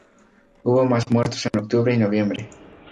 Hubo más muertos en octubre y noviembre.